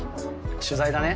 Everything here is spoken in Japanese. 取材だね？